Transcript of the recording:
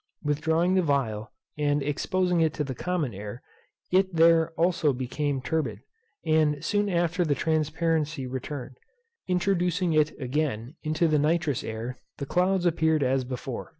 Withdrawing the phial, and exposing it to the common air, it there also became turbid, and soon after the transparency returned. Introducing it again into the nitrous air, the clouds appeared as before.